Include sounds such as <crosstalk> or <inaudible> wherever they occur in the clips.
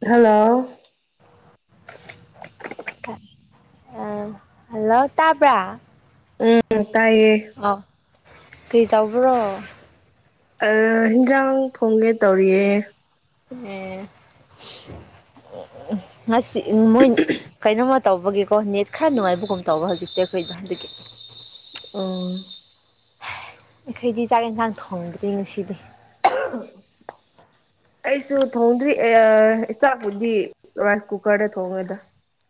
hello ꯑ hello ꯇꯥꯕ꯭ꯔꯥ ꯎꯝ ꯇꯥꯏꯌꯦ ꯑꯥꯎ ꯀꯩ ꯇꯧꯕ꯭ꯔꯣ ꯍꯟꯖꯥꯡ ꯊꯣꯡꯒꯦ ꯇꯧꯔꯤꯌꯦ ꯍ ꯉꯁꯤ ꯃꯣꯏ ꯀꯩꯅꯣꯃ ꯇꯧꯕꯒꯤꯀꯣ ꯅꯦꯠ ꯈꯔ ꯅꯨꯡꯉꯥꯏꯕꯒꯨꯝ ꯇꯧꯕ ꯍꯧꯖꯤꯛꯇꯤ ꯑꯩꯈꯣꯏꯗ ꯍꯧꯖꯤꯛ ꯑꯥ ꯑꯩꯈꯣꯏꯗꯤ ꯆꯥꯛ ꯌꯦꯟꯁꯥꯡ ꯊꯣꯡꯗ꯭ꯔꯤ ꯉꯁꯤꯗꯤ <inaudible> ꯑꯩꯁꯨ ꯊꯣꯡꯗ꯭ꯔꯤ ꯏꯥꯛꯄꯨꯗꯤ ꯔꯥꯏꯁ ꯀꯨꯀꯔꯗ ꯊꯣꯡꯉꯦꯗ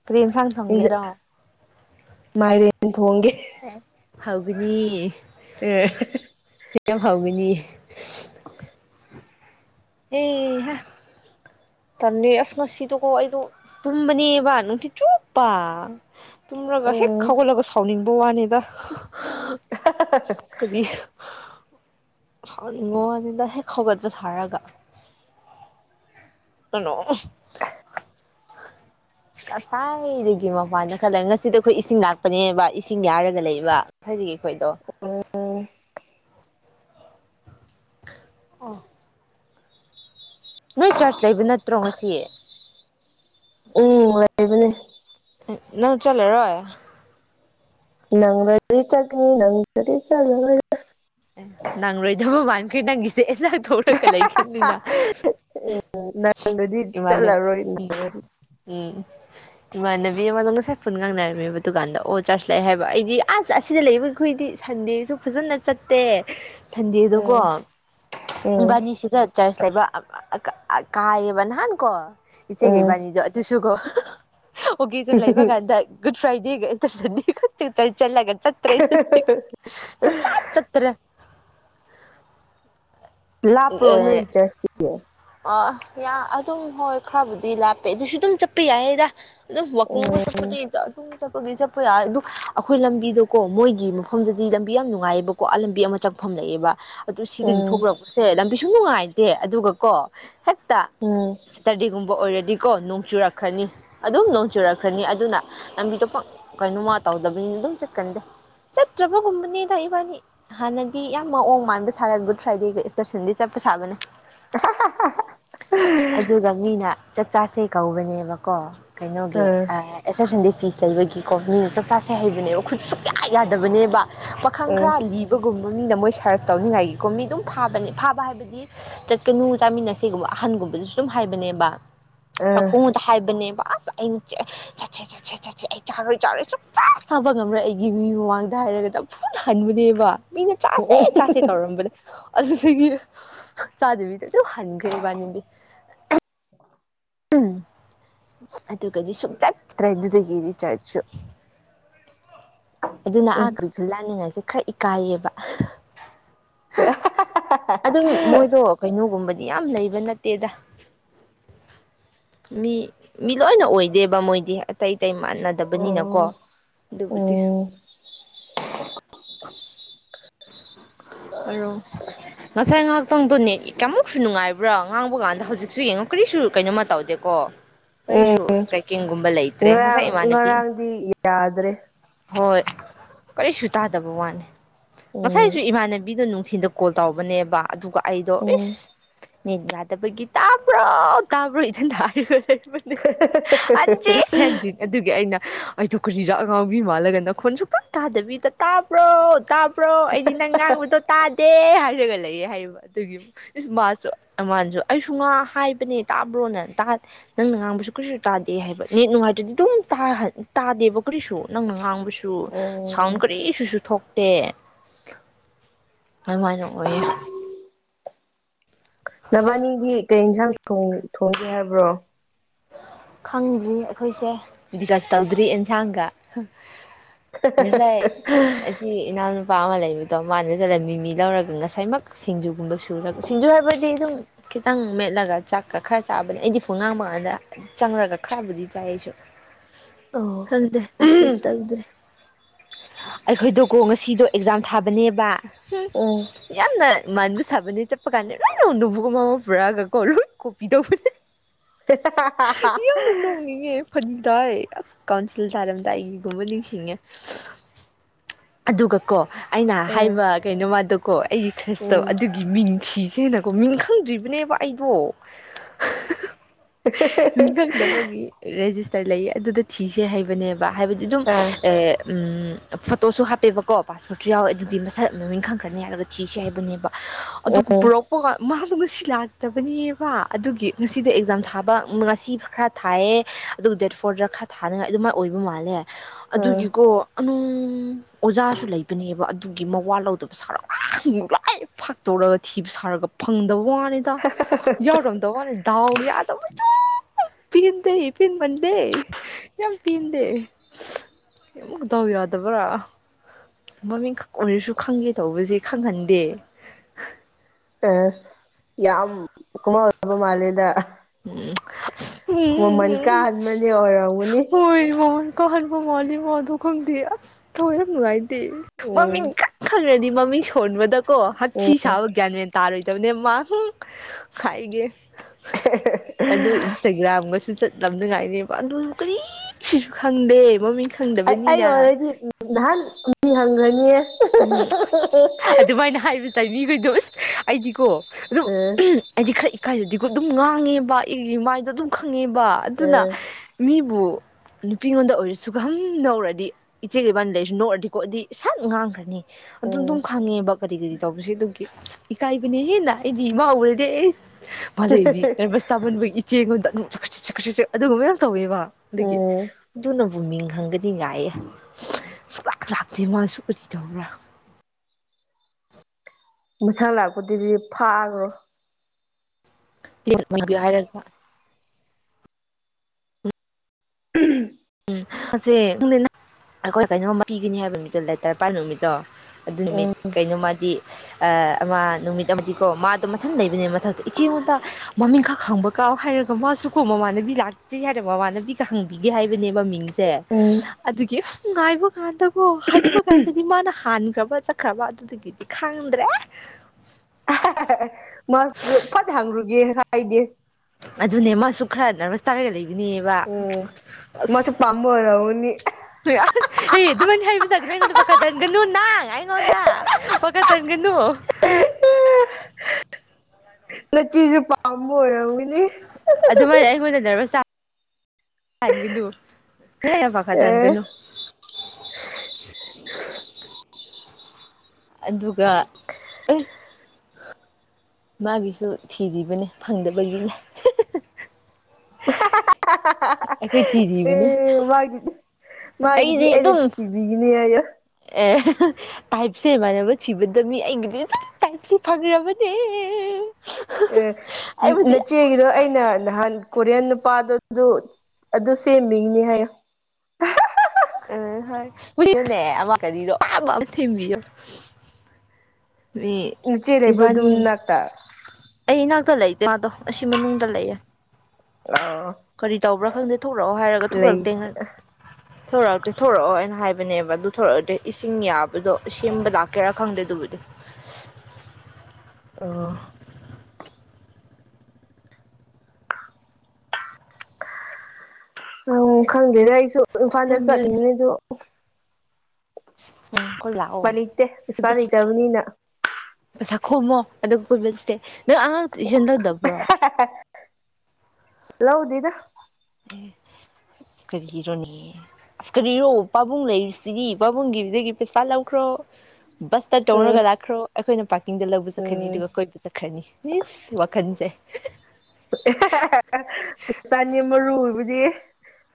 ꯀꯔꯤ ꯌꯦꯟꯁꯥꯡ ꯊꯣꯡꯒꯦꯔꯣ ꯃꯥꯏꯔꯦꯟ ꯊꯣꯡꯒꯦ ꯍꯥꯎꯒꯅꯤ ꯑꯦ ꯁꯤ ꯌꯥꯝ ꯍꯥꯎꯒꯅꯤꯌꯦ ꯑꯦꯍ ꯇ ꯑꯁꯃ ꯁꯤꯗꯨꯀ ꯑꯩꯗ ꯇꯨꯝꯕꯅꯦꯕꯅꯗꯤ ꯆꯨꯞꯞꯄ ꯇꯨꯝꯔꯒ ꯍꯦꯛ ꯎꯝ ꯈꯥꯎꯒꯠꯂꯒ ꯁꯥꯎꯅꯤꯡꯕ ꯋꯥꯅꯤꯗ <unintelligible> ꯀꯔꯤ ꯍꯥꯎꯅꯤꯡꯉꯣꯅꯤꯗ ꯍꯦꯛ ꯍꯧꯥꯎꯒꯠꯄ ꯁꯥꯔꯒ ꯅꯣ <unintelligible> ꯉꯁꯥꯏꯗꯒꯤ ꯃꯄꯥꯟꯗ ꯈꯜꯂꯒꯦ ꯉꯁꯤꯗꯤ ꯑꯩꯈꯣꯏ ꯏꯁꯤꯡ ꯂꯥꯛꯄꯅꯦꯕ ꯏꯁꯤꯡ ꯌꯥꯔꯒ ꯂꯩꯕ ꯉꯁꯥꯏꯗꯒꯤ ꯑꯩꯈꯣꯏꯗꯣ ꯎꯝ ꯑꯥ ꯅꯣꯏ ꯆꯥꯔꯆ ꯂꯩꯕ ꯅꯠꯇ꯭ꯔꯣ ꯉꯁꯤ ꯎꯝ ꯂꯩꯕꯅꯦ ꯅꯪ ꯆꯜꯂꯦꯔꯣ ꯅꯪꯔꯤ ꯆꯠꯅꯤ ꯅꯪꯔꯤ ꯆ ꯑꯦ ꯅꯪꯔꯣꯏꯗꯕ ꯃꯥꯟ ꯀꯩ ꯅꯪꯁꯤꯁ ꯑꯦ ꯆꯥ ꯊꯣꯔꯀ ꯂꯩ ꯈꯅ ꯅꯪꯗꯗꯤ ꯏꯃꯅꯦ ꯆꯠꯂꯔꯣꯏ ꯎꯝ ꯏꯃꯥꯟꯅꯕꯤ ꯑꯃꯗꯣ ꯉꯁꯥꯏ ꯐꯨꯟ ꯉꯥꯡꯅꯔꯝꯃꯦꯕ ꯗꯨꯀꯥꯟꯗ ꯑꯣ ꯆꯥꯔꯖ ꯂꯥꯛꯑꯦ ꯍꯥꯏꯕ ꯑꯩꯗꯤ ꯑꯁ ꯑꯁꯤꯗ ꯂꯩꯕ ꯑꯩꯈꯣꯏꯗꯤ ꯁꯟꯗꯦꯁꯨ ꯐꯖꯅ ꯆꯠꯇꯦ ꯁꯟꯗꯦꯗꯀꯣ ꯎꯝ ꯎꯝ ꯏꯕꯥꯅꯤꯁꯤꯒ ꯆꯔꯆ ꯂꯩꯕ ꯀꯥꯏꯌꯦꯕ ꯅꯍꯥꯟ ꯀꯣ ꯏꯆꯦꯒꯤ ꯎꯝ ꯏꯕꯥꯅꯤꯗꯣ ꯑꯗꯨꯁꯨꯀꯣ ꯑꯣꯀꯦ ꯆ ꯂꯩꯃ ꯀꯥꯟꯗ ꯒꯨꯗ ꯐ꯭ꯔꯥꯏꯗꯦꯒꯟꯗꯦ ꯆꯠꯂꯒ ꯆꯠ ꯆ ꯆ ꯆ ꯆꯠ ꯆꯠꯇ꯭ꯔ ꯂꯥꯛꯄꯔꯣꯅ ꯏꯆꯔꯁꯤꯇꯦ ꯑ ꯌꯥ ꯑꯗꯨꯝ ꯍꯣꯏ ꯈꯔꯕꯨꯗꯤ ꯂꯥꯞꯄꯦ ꯑꯗꯨꯁꯨ ꯑꯗꯨꯝ ꯆꯠꯄ ꯌꯥꯏꯌꯦꯗ ꯑꯗꯨ ꯋꯥꯀ ꯎꯝ ꯁꯄ ꯆꯠꯄ ꯆꯠꯄ ꯌꯥꯦ ꯑꯗꯨ ꯑꯩꯈꯣꯏ ꯂꯝꯕꯤꯗꯣꯀꯣ ꯃꯣꯏꯒꯤ ꯃꯐꯝꯗꯗꯤ ꯂꯝꯕꯤ ꯌꯥꯝ ꯅꯨꯡꯉꯥꯏꯌꯦꯕ ꯀꯣ ꯂꯝꯕꯤ ꯑꯃ ꯆꯪꯐꯝꯂꯛꯑꯦꯕ ꯑꯗꯨ ꯁꯤꯗꯒꯤ ꯎꯝ ꯊꯣꯛꯂꯛꯄꯁꯦ ꯂꯝꯕꯤ ꯁ ꯅꯨꯡꯉꯥꯏꯇꯦ ꯑꯗꯨꯒ ꯀꯣ ꯍꯦꯛꯇ ꯎꯝ ꯁꯦꯇꯔꯗꯦꯒꯨꯝꯕ ꯑꯣꯏꯔꯦꯗꯤ ꯀꯣ ꯅꯣꯡ ꯆꯨꯔꯛꯈ꯭ꯔꯅꯤ ꯑꯗꯨꯝ ꯅꯣꯡ ꯆꯨꯔꯛꯈ꯭ꯔꯅꯤ ꯑꯗꯨꯅ ꯂꯝꯕꯤꯗꯣ ꯄ ꯀꯩꯅꯣꯃ ꯇꯧꯗꯕꯅꯤꯅ ꯑꯗꯨꯝ ꯆꯠꯀꯅꯤꯗꯦ ꯆꯠꯇ꯭ꯔꯕꯒꯨꯝꯕꯅꯤꯗ ꯏꯕꯥꯅꯤ ꯍꯥꯟꯅꯗꯤ ꯌꯥꯝ ꯃꯑꯣꯡ ꯃꯥꯟꯕꯗ ꯁꯥꯔꯦ ꯒꯨꯗ ꯐ꯭ꯔꯥꯏꯗꯦꯒ ꯑꯦꯛꯁꯇꯔꯁꯟꯗꯤ ꯆꯠꯄ ꯁꯥꯕꯅꯦ ꯑꯗꯨꯒ ꯃꯤꯅ ꯆꯥꯛ ꯆꯁꯦ ꯀꯧꯕꯅꯦꯕꯀꯣ ꯀꯩꯅꯅꯣꯒꯦ ꯑ ꯑꯦꯁꯦꯁ ꯑꯦꯟ ꯗ ꯐꯤꯁ ꯂꯩꯕꯒꯤꯀꯣ ꯃꯤꯅ ꯆꯥꯛ ꯆꯆꯥꯁꯦ ꯍꯩꯕꯅꯦꯕ ꯈꯨꯠ ꯁꯨꯛꯌꯥ ꯌꯥꯗꯕꯅꯦꯕ ꯄꯥꯜ ꯎꯝ ꯎꯝ ꯈꯔ ꯂꯤꯕꯒꯨꯝꯕ ꯃꯤꯅ ꯃꯣꯏ ꯁꯔꯐ ꯇꯧꯅꯤꯡꯉꯥꯏꯒꯤꯀꯣ ꯃꯤ ꯑꯗꯨꯝ ꯐꯥꯕꯅꯤ ꯐꯥꯕ ꯍꯥꯏꯕꯗꯤ ꯆꯠꯀꯅꯨ ꯆꯥꯃꯤꯟꯅ ꯁꯤꯒꯨꯝꯕ ꯑꯍꯟꯒꯨꯝꯕꯗꯨꯁꯨ ꯑꯗꯨꯝ ꯍꯥꯏꯕꯅꯦꯕ ꯃꯈꯣꯡ ꯍꯥꯏꯕꯅꯦꯕꯁ ꯑ ꯆꯠꯦ ꯆ ꯆꯠꯁꯦ ꯆꯠꯁꯦ ꯑꯩ ꯆꯥꯔꯣꯏ ꯆꯥꯔꯣꯏ ꯁꯨꯝ ꯆꯥꯥꯕ ꯉꯝꯂ꯭ꯔꯦ ꯑꯩꯒꯤ ꯃꯤ ꯃꯃꯥꯡꯗ ꯍꯥꯏꯔꯒꯅ ꯐꯨꯅ ꯍꯟꯕꯅꯦꯕ ꯃꯤꯅ ꯆꯥꯁꯦ ꯆꯥꯁꯦ ꯎꯝ ꯀꯧꯔꯝꯕꯂ ꯑꯗꯨꯗꯒꯤ ꯆꯥꯗꯕꯤꯗ ꯑꯗꯨ ꯍꯟꯈ꯭ꯔꯦ ꯏꯕꯥꯅꯤꯗꯤ ꯎ ꯎꯝ ꯑꯗꯨꯒꯗꯤ ꯁꯨꯝ ꯆꯠꯇ꯭ꯔꯦ ꯑꯗꯨꯗꯒꯤꯗꯤ ꯆꯥꯁꯨ <inaudible> ꯑꯗꯨꯅ ꯑꯥꯄꯒꯤꯈ ꯂꯥꯟꯅꯤꯡꯉꯥꯏꯁꯦ ꯈꯔ ꯏꯀꯥꯏꯌꯦꯕ ꯍ ꯑꯗꯨꯝ ꯃꯣꯏꯗꯣ ꯀꯩꯅꯣꯒꯨꯝꯕꯗꯤ ꯌꯥꯝ ꯂꯩꯕ ꯅꯠꯇꯦꯗ ꯃꯤ ꯃꯤ ꯂꯣꯏꯅ ꯑꯣꯏꯗꯦꯕ ꯃꯣꯏꯗꯤ ꯑꯇꯩꯇꯩ ꯃꯥꯟꯅꯗꯕꯅꯤꯅꯀꯣ ꯎꯝ ꯑꯗꯨꯕꯨꯗꯤ <inaudible> ꯑꯣ ꯉꯁꯥꯏ ꯉꯥꯏꯍꯥꯛꯇꯪꯗꯣꯅꯦ ꯀꯌꯥꯃꯨꯛꯁꯨ ꯅꯨꯡꯉꯥꯏꯕ꯭ꯔꯣ ꯉꯥꯡꯕ ꯀꯥꯟꯗ ꯍꯧꯖꯤꯛꯁꯨ ꯌꯦꯡꯉꯣ ꯀꯔꯤꯁꯨ ꯀꯩꯅꯣꯃ ꯇꯧꯗꯦꯀꯣ ꯎꯝ ꯀꯔꯤꯁꯨ ꯇ꯭ꯔꯦꯛꯀꯤꯡꯒꯨꯝꯕ ꯂꯩꯇ꯭ꯔꯦ ꯉꯔꯥꯡ ꯉꯁꯥꯏ ꯏꯃꯥꯟꯅꯕꯤ ꯉꯔꯥꯡꯗꯤ ꯌꯥꯗ꯭ꯔꯦ ꯍꯣꯏ ꯀꯔꯤꯁꯨ ꯇꯥꯗꯕ ꯋꯥꯅꯤ ꯎꯝ ꯉꯁꯥꯏꯁꯨ ꯏꯃꯥꯟꯅꯕꯤꯗꯣ ꯅꯨꯡꯊꯤꯜꯗ ꯀꯣꯜ ꯇꯧꯕꯅꯦꯕ ꯑꯗꯨꯒ ꯑꯩꯗꯣ ꯎꯝ ꯏꯁ ꯌꯥꯗꯕꯩꯒꯤ ꯇꯥꯕ꯭ꯔꯣ ꯇꯥꯕ꯭ꯔꯣ ꯏ ꯑꯟꯖꯤꯖꯤ ꯑꯗꯨꯒꯤ ꯑꯩꯅ ꯑꯩꯗꯣ ꯀꯖꯤꯔꯥꯛ ꯑ ꯉꯥꯎꯕꯤ ꯃꯥꯜꯂꯒꯅ ꯈꯣꯟꯁꯨ ꯄꯂꯞ ꯇꯥꯗꯕꯤꯗ ꯇꯥꯕ꯭ꯔꯣꯕ ꯄ꯭ꯔꯣ ꯑꯩꯗꯤ ꯅꯪ ꯉꯥꯡꯕꯗꯣ ꯇꯥꯗꯦ ꯍꯥꯏꯔꯒ ꯂꯩꯌꯦ ꯍꯥꯏꯕ ꯑꯗꯨꯒꯤ ꯏꯁ ꯃꯥꯁꯨ ꯏꯃꯥꯟꯁꯨ ꯑꯩꯁꯨ ꯉꯥ ꯍꯥꯏꯕꯅꯦ ꯇꯥꯕ꯭ꯔꯣꯅ ꯅꯪꯅ ꯉꯥꯡꯕꯁꯨ ꯀꯔꯤꯁꯨ ꯇꯥꯗꯦ ꯍꯥꯏꯕ ꯅꯦꯠ ꯅꯨꯡꯉꯥꯏꯇ꯭ꯔꯗꯤ ꯑꯗꯨꯝ ꯇꯥꯗꯦꯕ ꯀꯔꯤꯁꯨ ꯅꯪꯅ ꯉꯥꯡꯕꯁꯨ ꯁꯥꯎꯟ ꯎꯝ ꯀꯔꯤꯁꯨꯁꯨ ꯊꯣꯛꯇꯦ ꯑꯗꯨꯃꯥꯏꯅ ꯑꯣꯏꯌꯦ ꯅꯕꯥꯅꯤꯗꯤ ꯀꯩ ꯏꯟꯁꯥꯡ ꯊꯣꯡꯒꯦ ꯍꯥꯏꯕ꯭ꯔꯣ ꯈꯪꯗ꯭ꯔꯤ ꯑꯩꯈꯣꯏꯁꯦ ꯗꯤꯀꯁ ꯇꯧꯗ꯭ꯔꯤ ꯑꯦꯟꯁꯥꯡꯒ ꯉꯁꯥꯏ ꯑꯁꯤ ꯏꯅꯥꯎꯅꯨꯄꯥ ꯑꯃ ꯂꯩꯕꯗꯣ ꯃꯥꯅ ꯆꯠꯂꯝꯃꯤ ꯃꯤ ꯂꯧꯔꯒ ꯉꯁꯥꯏꯃꯛ ꯁꯤꯡꯖꯨꯒꯨꯝꯕ ꯁꯨꯔꯒ ꯁꯤꯡꯖꯨ ꯍꯥꯏꯕꯗꯤ ꯑꯗꯨꯝ ꯈꯤꯇꯪ ꯃꯦꯠꯂꯒ ꯆꯥꯛꯀ ꯈꯔ ꯆꯥꯕꯅꯦ ꯑꯩꯗꯤ ꯐꯨ ꯉꯥꯡꯕ ꯀꯥꯟꯗ ꯆꯪꯉꯒ ꯈꯔꯕꯨꯗꯤ ꯆꯥꯏ ꯑꯩꯁꯨ ꯑꯣ ꯎꯝ ꯈꯪꯗ꯭ꯔꯦ ꯎꯝ ꯗꯤꯁꯀꯁ ꯇꯧꯗ꯭ꯔꯦ ꯑꯩꯈꯣꯏꯗꯣꯀꯣ ꯉꯁꯤꯗꯣ ꯑꯦꯛꯖꯥꯝ ꯊꯥꯕꯅꯦꯕ ꯎꯝ ꯌꯥꯝꯅ ꯃꯥꯟꯕ ꯁꯥꯕꯅꯦ ꯆꯠꯄ ꯀꯥꯟꯗ ꯂꯣꯏ ꯂꯧꯅꯕꯒꯣ ꯃꯃꯥ ꯄꯨꯔꯥꯒꯀꯣ ꯂꯣꯏ ꯀꯣꯄꯤ ꯇꯧꯕꯅꯦ ꯀꯁ ꯏꯅꯅꯣꯡꯉꯦ ꯐꯗ ꯑꯁ ꯀꯥꯎꯟꯁꯤꯜ ꯇꯥꯔꯝꯗ ꯑꯩꯒꯤꯒꯨꯝꯕ ꯅꯤꯡꯁꯤꯡꯉꯦ ꯑꯗꯨꯒ ꯀꯣ ꯑꯩꯅ ꯍꯥꯏꯕ ꯀꯩꯅꯣꯃꯗꯣꯀꯣ ꯑꯩꯒꯤ ꯈꯁꯇꯣ ꯑꯗꯨꯒꯤ ꯃꯤꯡꯁꯤꯁꯦꯅꯀꯣ ꯃꯤꯡ ꯈꯪꯗ꯭ꯔꯤꯕꯅꯦꯕ ꯑꯩꯕꯨꯣ <inaudible> ꯅꯤꯡꯀꯛꯅꯕꯒꯤ ꯔꯦꯖꯤꯁꯇꯔ ꯂꯩ ꯑꯗꯨꯗ ꯊꯤꯁꯦ ꯍꯩꯕꯅꯦꯕ ꯍꯥꯏꯕꯗꯤ ꯑꯗꯨꯝ ꯑ ꯐꯣꯇꯣꯁꯨ ꯍꯥꯞꯄꯦꯕꯀꯣ ꯄꯥꯁꯄꯣꯔꯠꯁꯨ ꯌꯥꯎꯋꯦ ꯑꯗꯨꯗꯤ ꯃꯁꯛ ꯃꯃꯤꯡ ꯈꯪꯈ꯭ꯔꯅꯤ ꯍꯥꯏꯔꯒ ꯊꯤꯁꯤ ꯍꯥꯏꯕꯅꯦꯕ ꯑꯗꯨꯒ ꯎꯝ ꯄꯨꯔꯛꯄꯒ ꯃꯥꯗꯣ ꯉꯁꯤ ꯂꯥꯛꯇꯕꯅꯦꯕ ꯑꯗꯨꯒꯤ ꯉꯁꯤꯗꯣ ꯑꯦꯛꯖꯥꯝ ꯊꯥꯕ ꯉꯁꯤ ꯈꯔ ꯊꯥꯏꯌꯦ ꯑꯗꯨꯒ ꯗꯦꯠ ꯐꯣꯔꯗ ꯈꯔ ꯊꯥꯅꯉꯥꯏ ꯑꯗꯨꯃꯥꯏꯅ ꯑꯣꯏꯕ ꯃꯥꯜꯂꯦ ꯑ ꯑꯗꯨꯒꯤꯀꯣ ꯅꯨꯡ ꯑꯣꯖꯥꯁꯨ ꯂꯩꯕꯅꯦꯕ ꯑꯗꯨꯒꯤ ꯃꯋꯥ ꯂꯧꯗꯕ ꯁꯥꯔ ꯂꯥꯏ ꯐꯥꯛꯇꯧꯔꯒ ꯊꯤꯕ ꯁꯥꯔꯒ ꯐꯪꯗꯕ ꯋꯥꯅꯤꯗ ꯌꯥꯎꯔꯝꯗꯕ ꯋꯥꯅꯤ ꯗꯥꯎ ꯌꯥꯗꯕ ꯄꯤꯗ ꯄꯤ ꯃꯟꯗ ꯌꯥꯝ ꯌꯥꯝ ꯄꯤꯗ ꯇꯧꯗꯕ꯭ꯔꯥ ꯃꯃꯤꯡꯛ ꯑꯣꯏꯔꯁꯨ ꯈꯪꯒꯦ ꯇꯧꯕꯁꯦ ꯈꯪꯍꯟꯗꯦ ꯑ ꯌꯥꯝ ꯀꯨꯃꯕ ꯃꯥꯂꯦꯗ ꯎꯝ ꯃꯃꯟꯀꯥ ꯑꯟꯃꯅꯤ ꯑꯣ ꯑꯃꯅꯤ ꯍ ꯃꯣꯟ ꯀ ꯍꯜ ꯃꯃꯣ ꯃꯗꯨ ꯈꯨꯝ ꯊ ꯃꯉꯥꯏ ꯃꯃꯤꯡ ꯎꯝ ꯀꯟ ꯈꯪꯅꯗꯤ ꯃꯃꯤꯡ ꯁꯣꯟꯕꯗꯀꯣ ꯎꯝ ꯍꯛꯊ ꯁꯥꯕ ꯒ꯭ꯌꯥꯟ ꯃꯦꯟ ꯇꯥꯔꯣꯏꯗ ꯆꯕꯅꯦ ꯃꯥꯡ ꯈꯒꯦ ꯍ ꯑꯗꯨ ꯏꯟꯁꯇꯥꯒ꯭ꯔꯥꯝꯒꯁꯨ ꯆꯠꯂꯝꯅꯉꯥꯏꯅꯦꯕ ꯑꯗꯨ ꯀꯔꯤꯁꯨ ꯈꯪꯗꯦ ꯃꯃꯤꯡ ꯑꯩ ꯑꯩ ꯈꯪꯗꯕꯅꯤꯅ ꯑꯣꯏꯔꯗꯤ ꯅꯍꯥꯟ ꯃꯤ ꯍꯪꯈ꯭ꯔꯅꯤ ꯎꯝ ꯑꯗꯨꯃꯥꯏꯅ ꯍꯥꯏꯕ ꯆꯥꯏꯕꯤꯈꯣꯏꯗꯣꯁ ꯑꯩꯗꯤꯀꯣ ꯑꯗꯨꯝ ꯎꯝ ꯑꯩꯗꯤ ꯈꯔ ꯏꯀꯥꯏꯗꯗꯤꯀ ꯑꯗꯨꯝ ꯉꯥꯡꯉꯦꯕ ꯃꯥꯏꯗꯣ ꯑꯗꯨꯝ ꯈꯪꯉꯦꯕ ꯑꯗꯨꯅ ꯃꯤꯕꯨ ꯅꯨꯄꯤꯉꯣꯟꯗ ꯑꯣꯏꯔꯁꯨ ꯈꯝ ꯅꯧꯔꯗꯤ ꯏꯆꯦꯒ ꯏꯕꯥꯅꯤ ꯂꯩꯔꯁꯨ ꯅꯧꯔꯗꯤ ꯀꯣꯠꯗꯤ ꯁꯛ ꯉꯥꯡꯈ꯭ꯔꯦ ꯑꯗꯨꯝ ꯑꯗꯨꯝ ꯎꯝ ꯎꯝ ꯈꯪꯉꯦꯕ ꯀꯔꯤ ꯀꯔꯤ ꯇꯧꯕꯁꯦ ꯑꯗꯨꯝꯒꯤ ꯏꯀꯥꯏꯕꯅꯦ ꯍꯦꯟꯅ ꯑꯩꯗꯤ ꯏꯃꯥꯎꯈꯔꯗꯤ ꯑꯩ ꯐꯖꯩꯗꯤ ꯔ ꯁꯥꯕ ꯏ ꯆꯦꯡꯒ ꯑꯗꯨꯒꯨꯝꯕ ꯌꯥꯝ ꯇꯧꯋꯦꯕ ꯑꯗꯒꯤ ꯎꯝ ꯑꯗꯨꯅ ꯕꯨ ꯃꯤꯡ ꯈꯪꯒꯗꯤ ꯉꯥꯏꯌꯦ ꯁꯨꯡꯂꯥꯛ ꯂꯥꯛꯞꯇꯦ ꯃꯥꯅ ꯁꯨꯞꯂꯗꯤꯗꯧꯕ꯭ꯔꯥ ꯃꯊꯪ ꯂꯥꯛꯄꯗꯨꯗꯤ ꯐꯥꯈꯔꯣ ꯏ ꯃꯕꯤ ꯍꯥꯏꯔꯜꯄꯥ ꯎꯝ ꯎꯝ ꯑꯁꯤ ꯑꯩꯈꯣꯏ ꯀꯩꯅꯣꯝꯃ ꯄꯤꯒꯅꯤ ꯍꯥꯏꯕ ꯃꯤꯠꯇꯣ ꯂꯦꯇꯔ ꯄꯥꯏꯅꯕ ꯅꯨꯃꯤꯠꯇꯣ ꯑꯗꯨ ꯅꯨꯃꯤꯠ ꯎꯝ ꯀꯩꯅꯣ ꯃꯥꯗꯤ ꯑꯃ ꯅꯨꯃꯤꯠ ꯑꯃꯗꯤꯀꯣ ꯃꯥꯗꯣ ꯃꯊꯪ ꯂꯩꯕꯅꯦ ꯃꯊ ꯏꯆꯦꯉꯣꯟꯗ ꯃꯃꯤꯡꯈꯛ ꯍꯪꯕ ꯀꯥꯎ ꯍꯥꯏꯔꯒ ꯃꯥꯁꯨ ꯀꯣ ꯃꯃꯥꯟꯅꯕꯤ ꯂꯥꯛꯇꯦ ꯍꯥꯏꯔ ꯃꯃꯥꯟꯅꯕꯤꯒ ꯍꯪꯕꯤꯒꯦ ꯍꯥꯏꯕꯅꯦ ꯃꯃꯤꯡꯁꯦ ꯁꯦ ꯎꯝ ꯑꯗꯨꯒꯤ ꯉꯥꯏꯕ ꯀꯥꯟꯗꯀꯣ ꯍꯟꯕ ꯀꯥꯟꯗꯗꯤ ꯃꯥꯅ ꯍꯥꯟꯈ꯭ꯔꯕ ꯆꯠꯈ꯭ꯔꯕ ꯑꯗꯨꯗꯒꯤꯗꯤ ꯈꯪꯗ꯭ꯔꯦ ꯃꯥꯁꯨ ꯐꯠ ꯍꯪꯂꯨꯒꯦ ꯍꯥꯏꯗꯦ ꯑꯗꯨꯅꯦ ꯃꯁꯨ ꯈꯔ ꯅꯔꯚꯁ ꯇꯥꯔꯒ ꯂꯩꯕꯅꯦꯕ ꯎꯝ ꯕ ꯃꯥꯁꯨ ꯄꯥꯝꯕ ꯑꯣꯏꯔꯝꯒꯅꯤ ꯑꯁ ꯑꯦ ꯑꯗꯨꯃꯥꯏꯅ ꯍꯥꯏꯔꯤꯕ ꯆꯗ ꯑꯩꯉꯣꯟꯗ ꯃꯈꯥ ꯇꯟꯒꯅꯨ ꯅꯍꯪ ꯑꯩꯉꯣꯟꯗ ꯃꯈꯥ ꯇꯟꯒꯅꯨ ꯅꯆꯤꯁꯨ ꯄꯥꯝꯕ ꯑꯣꯏꯔꯝꯃꯤꯅꯦ ꯑꯗꯨꯃꯥꯏꯅ ꯑꯩ ꯍꯣꯟꯗꯗꯔꯕ ꯆꯒꯅꯨꯦ ꯐꯈꯠ ꯑꯦ ꯇꯍꯟꯒꯅꯨ <unintelligible> <inaudible> ꯑꯗꯨꯒ ꯃꯥꯒꯤꯁꯨ ꯊꯤꯔꯤꯕꯅꯦ ꯐꯪꯗꯕꯒꯤꯅꯦ ꯑꯩꯈꯣꯏ ꯊꯤꯔꯤꯕꯅꯦ ꯑꯦ ꯃꯥꯒꯤ ꯃꯥꯒꯤꯗꯤ ꯑꯩꯗꯤ ꯑꯩꯅ ꯑꯗꯨꯝ ꯊꯤꯚꯒꯤꯅꯦ ꯍꯥꯏꯌꯣ ꯑꯦ ꯇꯥꯏꯞꯁꯦꯃꯥꯏꯅꯕ ꯁꯤꯤꯕꯗ ꯃꯤ ꯑꯩꯒꯤꯗꯤ ꯇꯥꯏꯞꯁꯦ ꯐꯪꯈ꯭ꯔꯕꯅꯦ <unintelligible> ꯑꯦ ꯑꯩꯕꯨꯗꯤ ꯅꯆꯦꯒꯤꯗꯣ ꯑꯩꯅ ꯅꯍꯥꯟ ꯀꯣꯔꯤꯌꯟ ꯅꯨꯄꯥꯗꯨ ꯑꯗꯨ ꯑꯗꯨ ꯁꯦꯝꯃꯤꯅꯤ ꯍꯥꯏꯌꯨ ꯎ ꯍꯣꯏꯣꯅꯦ ꯑꯃ ꯀꯔꯤꯔꯣ ꯊꯦꯝꯕꯤꯌꯣ ꯏꯆꯦ ꯂꯩꯕ꯭ꯔꯣ ꯏꯕꯥꯅꯤ ꯑꯗꯨꯝ ꯅꯥꯛꯇ ꯑꯩ ꯏꯅꯥꯛꯇ ꯂꯩꯇꯦ ꯃꯥꯗꯣ ꯑꯁꯤ ꯃꯅꯨꯡꯗ ꯂꯩꯌꯦ ꯑꯥꯎ ꯀꯔꯤ ꯇꯧꯕ꯭ꯔꯥ ꯈꯪꯗꯦ ꯊꯣꯛꯂꯛꯑꯣ ꯍꯥꯏꯔꯒ ꯊꯣꯛꯂꯛꯇꯦꯅꯦ ꯍ <inaudible> ꯊꯧꯣꯔꯛꯑꯛꯇꯦ ꯊꯣꯔꯛꯑꯣ ꯍꯥꯏꯅ ꯍꯥꯏꯕꯅꯦꯕ ꯑꯗꯨ ꯊꯣꯔꯛꯑꯗꯤ ꯏꯁꯤꯡ ꯌꯥꯕꯗꯣ ꯁꯦꯝꯕ ꯂꯥꯛꯀꯦꯔꯥ ꯈꯪꯗꯦ ꯑꯗꯨꯕꯨꯗꯤ ꯑꯣ ꯎꯝ ꯈꯪꯗꯦꯗ ꯑꯩꯁꯨ ꯏꯝꯐꯥꯜꯗ ꯁꯦꯝꯕꯤꯌꯣ ꯎꯝ ꯆꯠꯅꯤꯡꯕꯅꯦ ꯑꯗꯨ ꯎꯝ ꯈꯨꯂꯥꯎꯑꯣ ꯄ ꯂꯩꯇꯦ ꯄꯁꯆꯥ ꯂꯩꯇꯕꯅꯤꯅ ꯄꯩꯁ ꯈꯣꯝꯃꯣ ꯑꯗꯨꯒ ꯀꯣꯏꯕ ꯆꯠꯇꯦ ꯅ ꯑꯉꯥꯡ ꯇꯨꯏꯁꯜ ꯇꯧꯗꯕ꯭ꯔꯣ ꯂꯧꯗꯦꯗ ꯑꯦ ꯏꯁ ꯀꯔꯤꯅꯣꯅꯦ ꯑꯁ ꯀꯔꯤꯔꯣ ꯄꯥꯕꯨꯡ ꯂꯩꯔꯤꯁꯤꯒꯤ ꯄꯥꯕꯨꯡꯒꯤꯗꯒꯤ ꯄꯩꯁꯥ ꯂꯧꯈ꯭ꯔꯣ ꯕꯁ ꯇ ꯎꯝ ꯇꯧꯔꯒ ꯂꯥꯛꯈ꯭ꯔꯣ ꯑꯩꯈꯣꯏꯅ ꯄꯥꯔꯀꯤꯡꯗ ꯂꯧꯕ ꯆꯠꯈꯅꯤ ꯎꯝ ꯑꯗꯨꯒ ꯀꯣꯏ ꯆꯠꯈ꯭ꯔꯅꯤ ꯏꯁ ꯋꯥꯈꯜꯁꯦ ꯆꯅꯤ ꯃꯔꯨ ꯑꯣꯏꯕꯗꯤ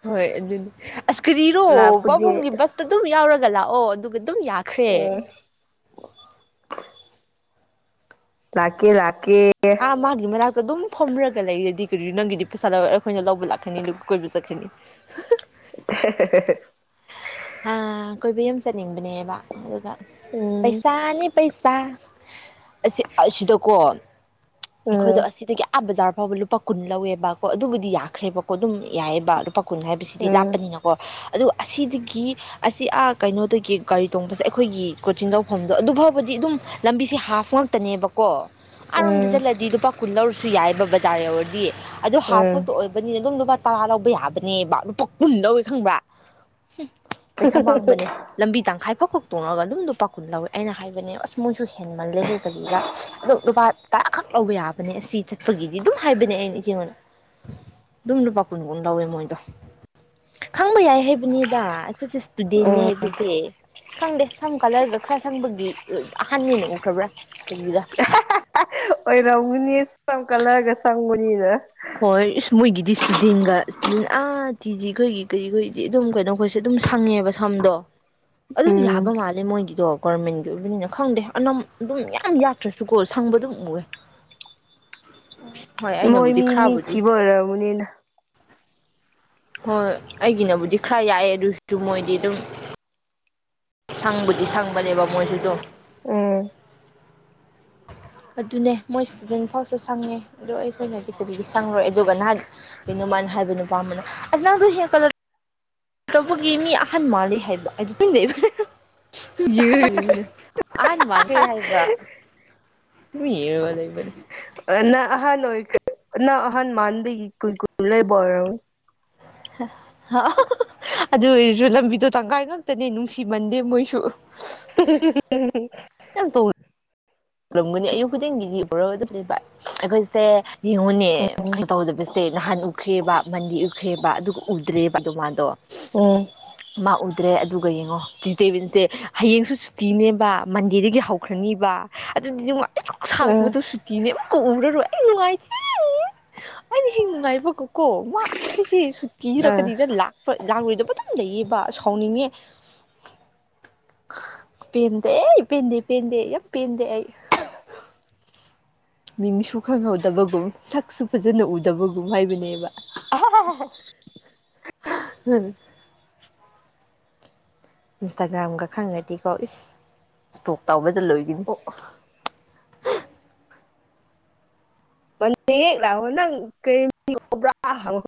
ꯍꯣꯏ ꯑꯗꯨꯗꯤ ꯑꯁ ꯀꯔꯤꯔꯣ ꯂꯥꯛꯄꯗꯤ ꯄꯥꯕꯨꯡꯒꯤ ꯕꯁꯇ ꯑꯗꯨꯝ ꯌꯥꯎꯔꯒ ꯂꯥꯛꯑꯣ ꯑꯗꯨꯒ ꯑꯗꯨꯝ ꯌꯥ ꯈ꯭ꯔꯦ ꯎꯝ ꯂꯥꯛꯀꯦ ꯂꯥꯛꯀꯦ ꯑꯥ ꯃꯥꯒꯤ ꯃꯅꯥꯛꯇ ꯑꯗꯨꯝ ꯐꯣꯝꯃꯔꯒ ꯂꯩꯔꯗꯤ ꯀꯩ ꯅꯪꯒꯤꯗꯤ ꯄꯩꯁꯥ ꯂꯧ ꯑꯩꯈꯣꯏꯅ ꯂꯧꯕ ꯂꯥꯛꯀꯅꯤ ꯑꯗꯨꯒ ꯀꯣꯏꯕ ꯆꯠꯀꯅꯤ ꯍ <inaudible> ꯑꯥ ꯀꯣꯏꯕ ꯑꯃ ꯆꯠꯅꯤꯡꯕꯅꯦꯕ ꯑꯗꯨꯒ ꯎꯝ ꯄꯩꯁꯥꯅꯤ ꯄꯩꯁꯥ ꯑꯁꯤ ꯑꯁꯤꯗꯀꯣ ꯑꯩꯈꯣꯏꯗꯣ ꯎꯝ ꯑꯁꯤꯗꯒꯤ ꯑꯥ ꯕꯖꯥꯔ ꯐꯥꯎꯕ ꯂꯨꯄꯥ ꯀꯨꯟ ꯂꯧꯋꯦꯕꯀꯣ ꯑꯗꯨꯕꯨꯗꯤ ꯌꯥꯈ꯭ꯔꯦꯕꯀꯣ ꯑꯗꯨꯝ ꯌꯥꯏꯑꯕ ꯂꯨꯄꯥ ꯀꯨꯟ ꯍꯥꯏꯕ ꯁꯤꯗꯤ ꯎꯝ ꯂꯥꯞꯄꯅꯤꯅꯀꯣ ꯑꯗꯨ ꯑꯁꯤꯗꯒꯤ ꯑꯁꯤ ꯑꯥ ꯀꯩꯅꯣꯗꯒꯤ ꯒꯥꯔꯤ ꯇꯣꯡꯕꯁꯦ ꯑꯩꯈꯣꯏꯒꯤ ꯀꯣꯆꯤꯡ ꯇꯧꯐꯝꯗꯣ ꯑꯗꯨ ꯐꯥꯎꯕꯗꯤ ꯑꯗꯨꯝ ꯂꯝꯕꯤꯁꯦ ꯍꯥꯞꯐ ꯉꯛꯇꯅꯦꯕ ꯀꯣ ꯑꯔꯣꯝꯗ ꯎꯝ ꯆꯠꯂꯗꯤ ꯂꯨꯄꯥ ꯀꯨꯟ ꯂꯧꯔꯁꯨ ꯌꯥꯏꯕ ꯕꯖꯥꯔ ꯌꯧꯔꯗꯤ ꯑꯗꯣ ꯍꯥꯐ ꯎꯝ ꯈꯛꯇ ꯑꯣꯏꯕ ꯕ ꯑꯗꯨꯝ ꯂꯨꯄꯥ ꯇꯔꯥ ꯂꯧꯕ ꯌꯥꯕꯅꯦꯕ ꯂꯨꯄꯥ ꯀꯨꯟ ꯂꯧꯋꯦ ꯈꯪꯕ꯭ꯔꯥ ꯄꯩꯁꯥ ꯃꯥꯡꯕꯅꯦ ꯂꯝꯕꯤ ꯇꯪꯈꯥꯏ ꯐꯥꯎ ꯇꯣꯡꯉꯒ ꯑꯗꯨꯝ ꯂꯨꯄꯥ ꯀꯨꯟ ꯂꯧꯋꯦ ꯑꯩꯅ ꯍꯥꯏꯕꯅꯦ ꯑꯁ ꯃꯣꯏꯁꯨ ꯍꯦꯟꯃꯜꯂꯦꯍꯦꯛ ꯀꯔꯤꯒ ꯑꯗꯨ ꯂꯨꯄꯥ ꯇꯔꯥꯈꯛ ꯂꯧꯕ ꯌꯥꯕꯅꯦ ꯑꯁꯤ ꯆꯠꯄꯒꯤꯗꯤ ꯑꯗꯨꯝ ꯍꯥꯏꯕꯅꯦ ꯑꯩꯅ ꯏꯆꯦꯉꯣꯟꯗ ꯑꯗꯨꯝ ꯂꯨꯄꯥ ꯀꯨꯟ ꯀꯨꯟ ꯂꯧꯋꯦ ꯃꯣꯏꯗꯣ ꯈꯪꯕ ꯌꯥꯏ ꯅꯤꯗ ꯑꯩꯈꯣꯏꯁꯦ ꯏꯁꯇꯨꯗꯦꯟꯅꯦ ꯎꯝ ꯍꯥꯏꯕꯁꯦ ꯈꯪꯗꯦ ꯁꯝ ꯀꯂꯔꯒ ꯈꯔ ꯁꯪꯕꯒꯤ ꯑꯍꯥꯟꯅꯦꯅ ꯎꯈ꯭ꯔꯕ꯭ꯔꯥ ꯀꯔꯤꯔꯥ ꯑꯣꯏꯔꯝꯒꯅꯤ ꯁꯝ ꯀꯂꯔꯒ ꯁꯪꯕꯅꯤꯅ ꯍꯣꯏ ꯏꯁ ꯃꯣꯏꯒꯤꯗꯤ ꯏꯁꯇꯨꯗꯦꯟꯒ ꯏꯁꯇꯨꯗꯦꯟ ꯑꯥ ꯇꯤ ꯖꯤ ꯈꯣꯏꯒꯤ ꯀꯔꯤꯈꯣꯏꯗꯤ ꯑꯗꯨꯝ ꯀꯩꯅꯣ ꯈꯣꯏꯁꯨ ꯑꯗꯨꯝ ꯁꯪꯉꯦꯕ ꯁꯝꯗꯣ ꯑꯗꯨꯝ ꯎꯝ ꯌꯥꯕ ꯃꯥꯜꯂꯦ ꯃꯣꯏꯒꯤꯗꯣ ꯒꯣꯔꯃꯦꯟꯒꯤ ꯑꯣꯏꯕꯅꯤꯅ ꯈꯪꯗꯦ ꯑꯅꯝ ꯑꯗꯨꯝ ꯌꯥꯝ ꯌꯥꯠꯇ꯭ꯔꯁꯨꯀꯣ ꯁꯪꯕ ꯑꯗꯨꯝ ꯎꯌꯦ ꯍꯣꯏ ꯑꯩꯅꯕꯨꯗꯤ ꯈꯔꯕꯨꯗꯤ ꯃꯤꯊꯤꯕ ꯑꯣꯏꯔꯕꯅꯤꯅ ꯍꯣꯏ ꯑꯩꯒꯤꯅꯕꯨꯗꯤ ꯈꯔ ꯌꯥꯛꯑꯦ ꯑꯗꯨꯁꯨ ꯃꯣꯏꯗꯤ ꯑꯗꯨꯝ ꯁꯪꯕꯗꯤ ꯁꯪꯕꯅꯦꯕ ꯃꯣꯏꯁꯨꯗꯣ ꯎꯝ <inaudible> ꯑꯗꯨꯅꯦ ꯃꯣꯏ ꯏꯁꯇꯨꯗꯦꯟ ꯐꯥꯎꯁꯨ ꯁꯪꯉꯦ ꯑꯗꯣ ꯑꯩꯈꯣꯏꯅꯗꯤ ꯀꯔꯤꯒꯤ ꯁꯪꯂꯣꯏ ꯑꯗꯨꯒ ꯅꯍꯥꯟ ꯀꯩꯅꯣꯃꯅ ꯍꯥꯏꯕ ꯅꯨꯄꯥ ꯑꯃꯅꯥ ꯑꯁ ꯅꯪ ꯍꯤꯌꯔ ꯀꯂꯔ ꯇꯧꯒꯤ ꯃꯤ ꯑꯍꯟ ꯃꯥꯜꯂꯤ ꯍꯥꯏꯕ ꯑꯩꯗꯨ ꯇꯨꯝ ꯂꯩꯕ <unintelligible> ꯑꯍꯜ ꯃꯥꯜꯂꯦ ꯍꯥꯏꯕ ꯑꯗꯨꯝ ꯌꯦꯡꯉꯒ ꯂꯩꯕꯅꯤ ꯅꯪ ꯑꯍꯥꯟ ꯑꯣꯏꯈ꯭ꯔꯦ ꯅꯪ ꯑꯍꯥꯟ ꯃꯥꯟꯕꯒꯤ ꯀꯨꯟ ꯀꯨꯟ ꯂꯧꯕꯣꯏꯔꯣ <unintelligible> ꯑꯗꯨ ꯑꯣꯏꯔꯁꯨ ꯂꯝꯕꯤꯗꯣ ꯇꯪꯈꯥꯏ ꯉꯥꯛꯇꯅꯦ ꯅꯨꯡꯁꯤꯃꯟꯗꯦ ꯃꯣꯏꯁꯨ <unintelligible> ꯀꯩꯝ ꯇꯧ ꯎꯔꯝꯒꯅꯤ ꯑꯌꯨꯛ ꯈꯨꯗꯤꯡꯒꯤꯗꯤ ꯎꯔꯒꯥ <unintelligible> ꯑꯩꯈꯣꯏꯁꯦ ꯌꯦꯡꯉꯨꯅꯦ ꯀꯩ ꯇꯧꯗꯕꯁꯦ ꯅꯍꯥꯟ ꯎꯈ꯭ꯔꯦꯕ ꯃꯟꯗꯤ ꯎꯈ꯭ꯔꯦꯕ ꯑꯗꯨꯒ ꯎꯗ꯭ꯔꯦꯕ ꯑꯗꯨ ꯃꯥꯗꯣ ꯎꯝ ꯃꯥ ꯎꯗ꯭ꯔꯦ ꯑꯗꯨꯒ ꯌꯦꯡꯉꯣ ꯇꯨꯏꯁꯗꯦ ꯋꯥꯏꯅꯁꯗꯦ ꯍꯌꯦꯡꯁꯨ ꯁꯨꯇꯤꯅꯦꯕ ꯃꯟꯗꯦꯗꯒꯤ ꯍꯧꯈ꯭ꯔꯅꯤꯕ ꯑꯗꯨꯗꯤ ꯅꯨꯡꯉꯥꯏ ꯗꯨꯛ ꯎꯝ ꯁꯥꯡꯕꯗꯣ ꯁꯨꯇꯤ ꯇꯤꯅꯦ ꯎꯔꯔꫭꯏ ꯑꯩ ꯅꯪꯉꯥꯏꯇꯦ ꯑꯩ ꯍꯤꯡ ꯅꯨꯡꯉꯥꯏꯕꯒꯀꯣ ꯋꯥ ꯑꯩꯈꯣꯏꯁꯦ ꯁꯨꯇꯤꯔ ꯑꯥ ꯀꯔꯤꯔ ꯂꯥꯛ ꯍꯣꯏ ꯂꯥꯛꯂꯣꯏꯗꯕ ꯑꯗꯨꯝ ꯂꯩꯌꯦꯕ ꯁꯥꯎꯅꯤꯡꯉꯦ ꯄꯦꯟꯗꯦ ꯄꯦꯟꯗꯦ ꯄꯦꯟꯗꯦ ꯌꯥꯝ ꯄꯦꯟꯗꯦ ꯑꯩ ꯃꯤꯡꯁꯨ ꯈꯪꯍꯧꯗꯕꯒꯨꯝ ꯁꯛꯁꯨ ꯐꯖꯅ ꯎꯗꯕꯒꯨꯝ ꯍꯥꯏꯕꯅꯦꯕ ꯑꯍ ꯑꯍ ꯎꯝ ꯏꯟꯁꯇꯥꯒ꯭ꯔꯥꯝꯒ ꯈꯪꯉꯗꯤꯀꯣ ꯏꯁ ꯏꯁꯇꯣꯛ ꯇꯧꯕꯗ ꯂꯣꯏꯒꯅꯤ ꯃꯟꯗꯦ ꯍꯦꯛ ꯂꯥꯛꯄꯒ ꯅꯪ ꯀꯔꯤ ꯃꯤꯡ ꯀꯧꯕ꯭ꯔꯥ ꯍꯪꯉꯨ